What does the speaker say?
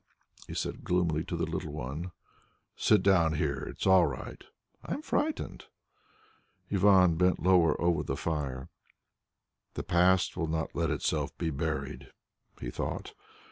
he said gloomily to the little one. "Sit down here. It is all right." "I am frightened." Ivan bent lower over the fire. "The past will not let itself be buried," he thought.